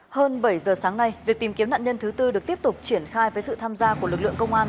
hơn bảy giờ sáng nay việc tìm kiếm nạn nhân thứ tư được tiếp tục triển khai với sự tham gia của lực lượng công an